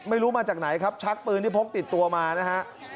ไม่รู้มาจากไหนครับชักปืนที่พกติดตัวมานะฮะ